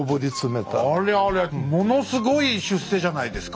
ありゃりゃものすごい出世じゃないですか。